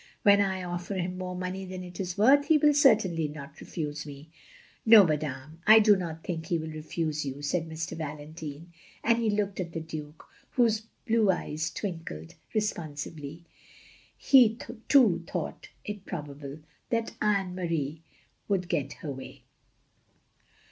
When I offer him more money than it is worth, he will certainly not reftise me, " "No, madame, I do not think he will refuse OF GROSVENOR SQUARE 375 you," said Mr. Valentine, and he looked at the Duke, whose blue eyes twinkled responsively. He too thought it prbbable that Anne Marie wotild get her way.